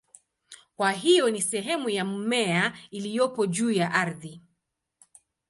Kwa hiyo ni sehemu ya mmea iliyopo juu ya ardhi.